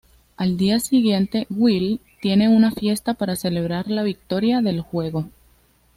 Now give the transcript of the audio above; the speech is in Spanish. Al día siguiente, Will tiene una fiesta para celebrar la victoria del juego.